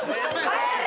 帰れ！